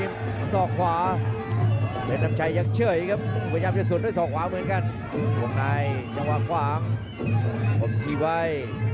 พยายามในจังหวะความเป้าหมี่ทีวัย